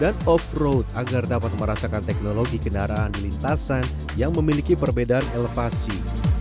dan off road agar dapat merasakan teknologi kendaraan lintasan yang memiliki perbedaan elevasi